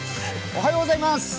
おはようございます。